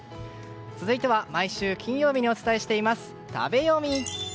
続いては毎週金曜日にお伝えしています食べヨミ！